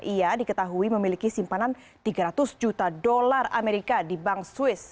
ia diketahui memiliki simpanan tiga ratus juta dolar amerika di bank swiss